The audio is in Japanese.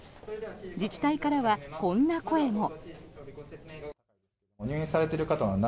自治体からは、こんな声も。